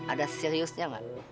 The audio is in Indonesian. ada seriusnya gak